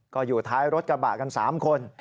ก็อยู่ท้ายรถกระบะกัน๓คน